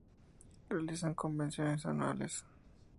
Realizan convenciones anuales.